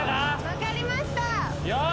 分かりました！